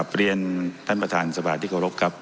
กับเรียนท่านประธานสบายที่ขอรบครับ